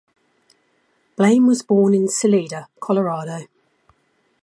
Blane was born in Salida, Colorado.